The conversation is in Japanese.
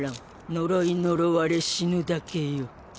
呪い呪われ死ぬだけよ。